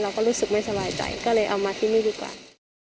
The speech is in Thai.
รู้สึกไม่สบายใจก็เลยเอามาที่นี่ดีกว่า